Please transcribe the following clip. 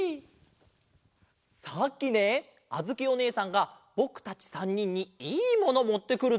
さっきねあづきおねえさんがぼくたち３にんに「いいもの」もってくる！